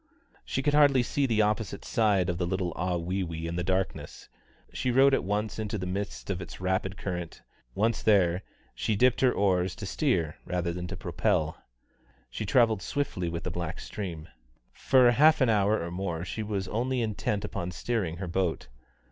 She could hardly see the opposite side of the little Ahwewee in the darkness; she rowed at once into the midst of its rapid current; once there, she dipped her oars to steer rather than to propel. She travelled swiftly with the black stream. For half an hour or more she was only intent upon steering her boat.